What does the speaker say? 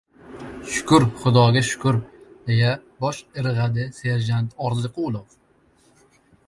— Shukur, xudoga shukur! — deya bosh irg‘adi serjant Orziqulov.